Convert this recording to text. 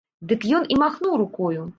Дык ён і махнуў рукою.